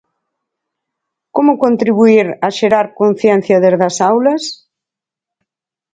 Como contribuír a xerar conciencia desde as aulas?